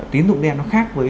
tiến dụng đen nó khác với